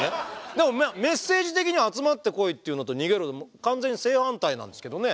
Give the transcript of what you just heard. でもメッセージ的には集まってこいっていうのと逃げろで完全に正反対なんですけどね。